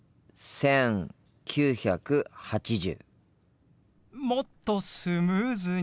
１９８０。